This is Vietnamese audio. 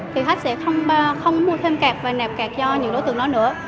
không mua thêm cạp và nẹp cạp cho những đối tượng đó nữa